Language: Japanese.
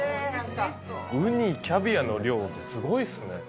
ウニ、キャビアの量、すごいっすね。